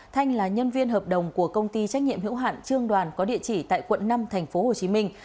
thanh là nhân viên hợp đồng của công ty trách nhiệm hữu hạn trương đoàn có địa chỉ tại quận năm thành phố hồ chí minh